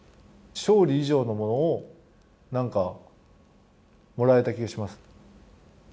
勝利以上のものをなんかもらえた気がします。